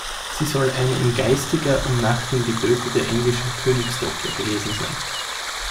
Sie soll eine im geistiger Umnachtung getötete englische Königstochter gewesen sein.